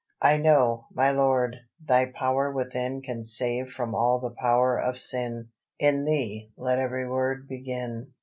"I know, my Lord, Thy power within Can save from all the power of sin; In Thee let every word begin.